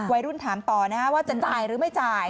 ถามต่อนะว่าจะจ่ายหรือไม่จ่าย